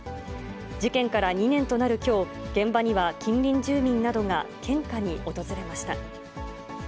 事件から２年となるきょう、現場には近隣住民などが献花に訪れました。